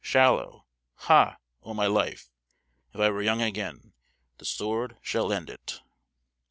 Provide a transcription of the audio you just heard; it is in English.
Shallow. Ha! o' my life, if I were young again, the sword should end it!"